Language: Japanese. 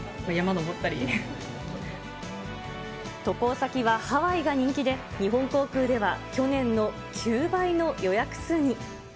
渡航先はハワイが人気で、日本航空では去年の９倍の予約数に。